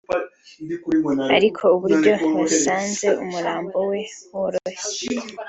ariko uburyo basanze umurambo we woroshe